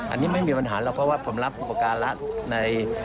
อันนี้ไม่มีปัญหาหรอกเพราะว่าผมรับอุปการะใน